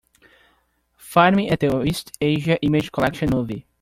Find me the East Asia Image Collection movie.